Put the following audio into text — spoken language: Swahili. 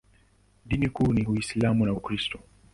Dini kuu ni Uislamu na Ukristo.